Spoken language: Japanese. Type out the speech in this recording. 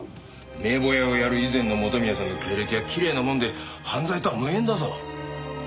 名簿屋をやる以前の元宮さんの経歴はきれいなもんで犯罪とは無縁だぞ。